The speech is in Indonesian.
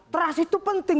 terasi itu penting